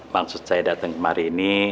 maksud saya datang ke stove ini